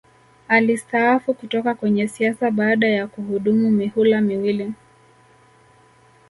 Alistaafu kutoka kwenye siasa baada ya kuhudumu mihula miwili